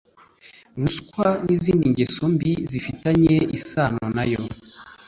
ruswa n'izindi ngeso mbi zifitanye isano nayo